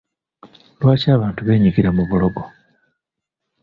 Lwaki abantu beenyigira mu bulogo?